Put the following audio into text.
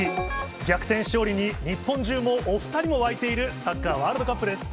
逆転勝利に、日本中も、お２人も沸いているサッカーワールドカップです。